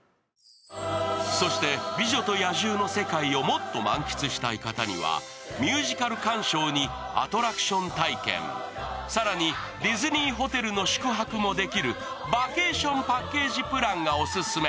「美女と野獣」の世界をもっと満喫したい方にはミュージカル鑑賞にアトラクション体験、更にディズニーホテルの宿泊もできるバケーションパッケージプランがオススメ。